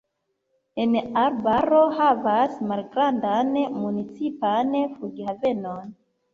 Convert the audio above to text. An-Arbaro havas malgrandan, municipan flughavenon.